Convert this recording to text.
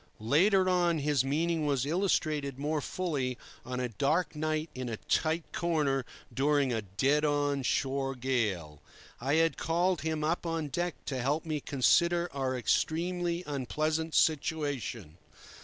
Later on his meaning was illustrated more fully on a dark night in a tight corner during a dead on shore gale. I had called him up on deck to help me consider our extremely unpleasant situation.